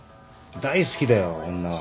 大好きだよ女は。